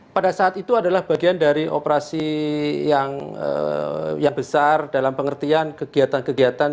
pada saat itu adalah bagian dari operasi yang besar dalam pengertian kegiatan kegiatan